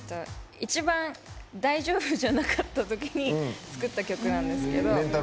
一番大丈夫じゃなかったときに作った曲なんですけど。